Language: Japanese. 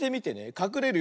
かくれるよ。